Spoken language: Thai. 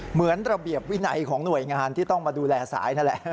เหมือนระเบียบวินัยของหน่วยงานที่ต้องมาดูแลสายนั่นแหละ